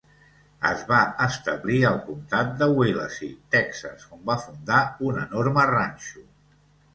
Es va establir al comtat de Willacy, Texas, on va fundar un enorme ranxo.